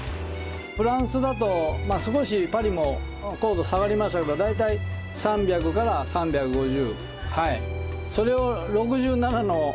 フランスだと少しパリも硬度下がりますけど大体３００３５０。